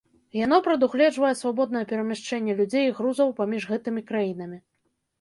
Яно прадугледжвае свабоднае перамяшчэнне людзей і грузаў паміж гэтымі краінамі.